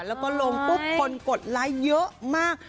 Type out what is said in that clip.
แล้วก็ลงปุ๊บคนกดไลค์เยอะมาก